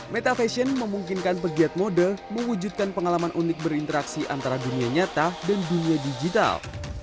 meta fashion memungkinkan pegiat mode mewujudkan pengalaman unik berinteraksi antara dunia nyata dan dunia digital